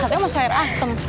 satunya mau sayur asem